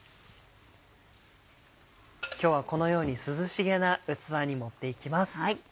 今日はこのように涼しげな器に盛っていきます。